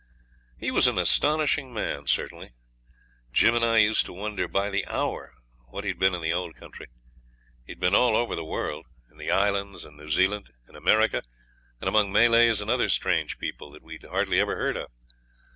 He was an astonishing man, certainly. Jim and I used to wonder, by the hour, what he'd been in the old country. He'd been all over the world in the Islands and New Zealand; in America, and among Malays and other strange people that we'd hardly ever heard of.